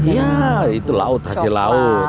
iya itu hasil laut